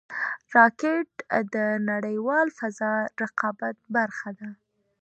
راکټ د نړیوال فضا رقابت برخه ده